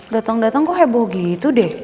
datang datang kok heboh gitu deh